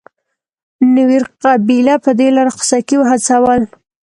نوير قبیله په دې لار خوسکي وهڅول.